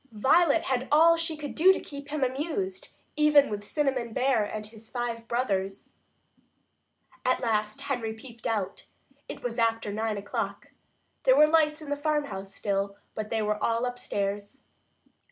Violet had all she could do to keep him amused, even with Cinnamon Bear and his five brothers. At last Henry peeped out. It was after nine o'clock. There were lights in the farmhouse still, but they were all upstairs.